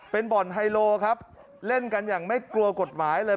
เป็นบ่อนไฮโลครับเล่นกันอย่างไม่กลัวกฎหมายเลย